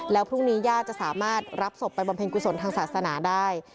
แล้วพรุ่งนี้ญาติจะสามารถรับศพไปบำเพ็ญกุศลทางศาสนาได้